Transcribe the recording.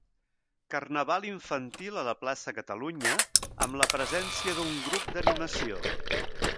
Carnaval infantil a la Plaça Catalunya amb la presència d'un grup d'animació.